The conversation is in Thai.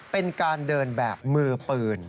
เป็นการเดินแบบมือปืน